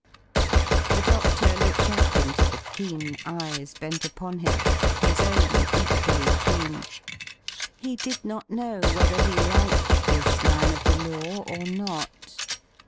The doctor looked up into the keen eyes bent upon him, his own equally keen. He did not know whether he liked this man of the law or not.